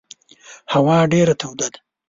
هوا ډېره توده ده.